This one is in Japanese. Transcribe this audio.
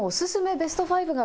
ベスト５が